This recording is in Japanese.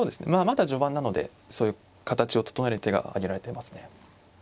まだ序盤なので形を整える手が挙げられてますね。